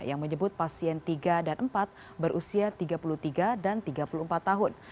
yang menyebut pasien tiga dan empat berusia tiga puluh tiga dan tiga puluh empat tahun